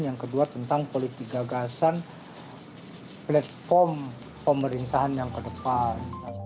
yang kedua tentang politik gagasan platform pemerintahan yang ke depan